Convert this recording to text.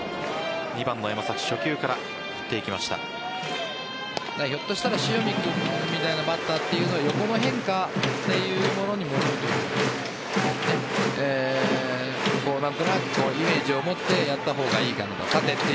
２番の山崎ひょっとしたら塩見君みたいなバッターというのは横の変化というものに何となくイメージを持ってやったほうがいいかなと。